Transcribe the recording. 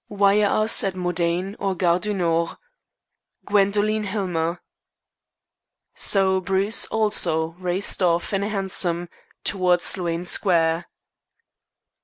Wire us at Modane or Gare du Nord. "GWENDOLINE HILLMER." So Bruce also raced off in a hansom towards Sloane Square.